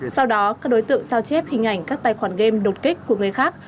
sau đó các đối tượng sao chép hình ảnh các tài khoản game đột kích của người khác